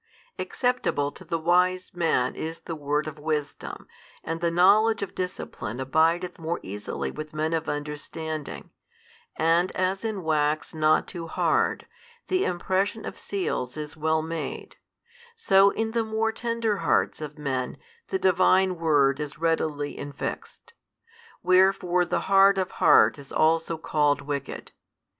Acceptable to the wise man is the word of wisdom, and the knowledge of discipline abideth more easily with men of understanding, and as in wax not too hard, the impression of seals is well made, so in the more tender hearts of men the Divine Word is readily infixed: wherefore the hard of heart is also called wicked.